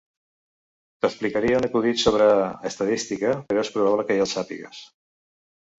T’explicaria un acudit sobre estadística, però és probable que ja el sàpigues.